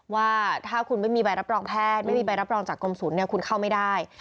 ว่าถ้าคุณไม่มีใบรับรองแพทย์ไม่มีใบรับรองจากกรมศูนย์คุณเข้าไม่ได้